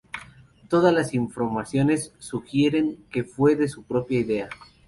Todas las informaciones sugieren que fue su propia idea.